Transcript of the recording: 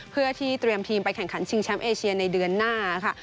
เพื่อที่เตรียมทีมไปแข่งขันชิงแชมป์เอเชียในเดือนหน้าค่ะ